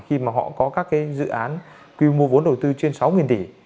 khi mà họ có các cái dự án quy mô vốn đầu tư trên sáu tỷ